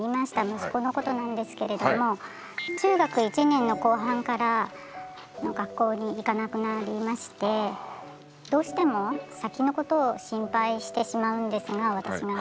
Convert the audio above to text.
息子のことなんですけれども中学１年の後半から学校に行かなくなりましてどうしても先のことを心配してしまうんですが私が。